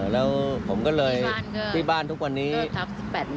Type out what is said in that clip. แล้วผมก็เลยที่บ้านทุกวันนี้ก็ทับ๑๘๑